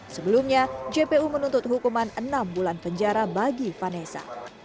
sebelumnya jpu menuntut hukuman enam bulan penjara bagi vanessa